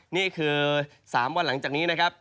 นี่คือ๓วันหลังจากนี้นะครับ